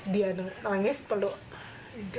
dia nangis peluk